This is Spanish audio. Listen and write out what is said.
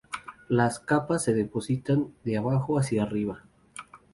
Las capas se depositan de abajo hacia arriba.